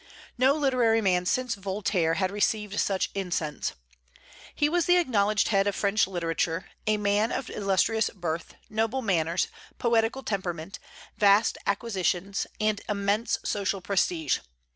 No literary man since Voltaire had received such incense. He was the acknowledged head of French literature, a man of illustrious birth, noble manners, poetical temperament, vast acquisitions, and immense social prestige.